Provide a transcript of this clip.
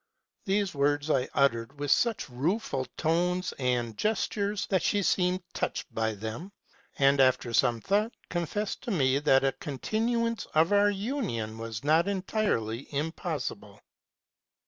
' These words I uttered with such rueful tones and gestures, that she seemed touched by them, and after some thought con fessed to me that a continuance of our union was not entirely impossible.